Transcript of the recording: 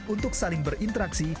untuk saling berinteraksi